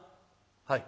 「はい。